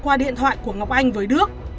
qua điện thoại của ngọc anh với đức